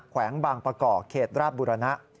แวงบางประกอบเขตราชบุรณะ